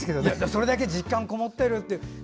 それだけ実感こもっているって。